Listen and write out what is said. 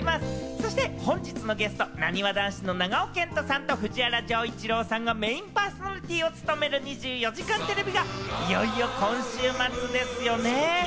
そして本日のゲスト、なにわ男子の長尾謙杜さんと藤原丈一郎さんがメーンパーソナリティーを務める『２４時間テレビ』が、いよいよ今週末ですよね。